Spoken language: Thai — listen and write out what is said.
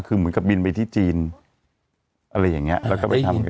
คือเหมือนกับบินไปที่จีนอะไรอย่างเงี้ยแล้วก็ไปทำกับ